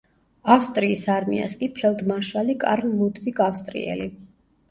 ავსტრიის არმიას კი ფელდმარშალი კარლ ლუდვიგ ავსტრიელი.